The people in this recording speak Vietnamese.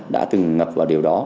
đã từng ngập vào điều đó